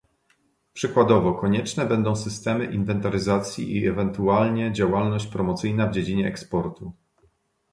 Przykładowo, konieczne będą systemy inwentaryzacji i ewentualnie działalność promocyjna w dziedzinie eksportu